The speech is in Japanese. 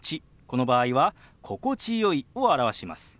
この場合は「心地よい」を表します。